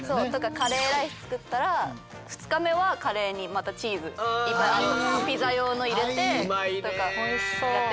カレーライス作ったら２日目はカレーにまたチーズいっぱいピザ用の入れてとかやってますね。